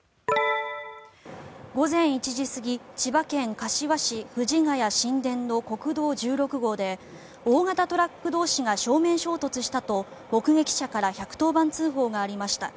午前１時過ぎ千葉県柏市藤ケ谷新田の国道１６号で大型トラック同士が正面衝突したと目撃者から１１０番通報がありました。